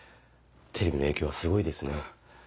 テレビの影響はすごいですね。